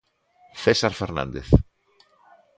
César Fernández.